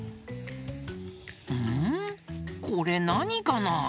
んこれなにかな？